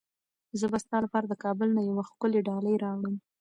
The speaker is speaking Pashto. زه به ستا لپاره د کابل نه یوه ښکلې ډالۍ راوړم.